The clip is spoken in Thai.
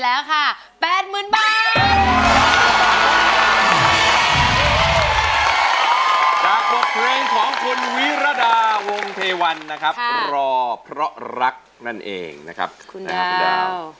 รู้รู้รู้รองร่ายพยายาม